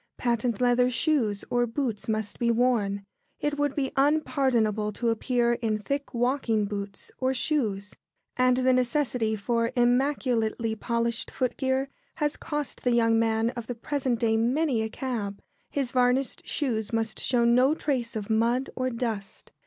Patent leather shoes or boots must be worn. It would be unpardonable to appear in thick walking boots or shoes; and the necessity for immaculately polished footgear has cost the young man of the present day many a cab. His varnished shoes must show no trace of mud or dust.